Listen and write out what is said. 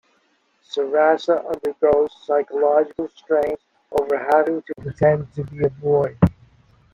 Sarasa undergoes psychological strain over having to pretend to be a boy.